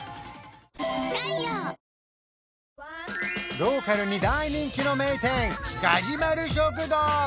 ローカルに大人気の名店がじまる食堂